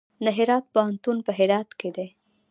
د هرات پوهنتون په هرات کې دی